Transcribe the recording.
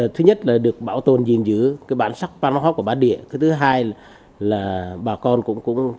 thứ nhất là được bảo tồn gìn giữ bản sắc văn hóa của bà địa thứ hai là bà con cũng tự nhiên